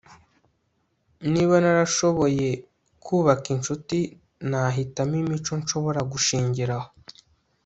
niba narashoboye kubaka inshuti, nahitamo imico nshobora gushingiraho